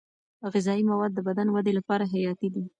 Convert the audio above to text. غذايي مواد د بدن ودې لپاره حیاتي دي.